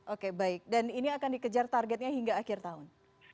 oke baik dan ini akan dikejar targetnya hingga akhir tahun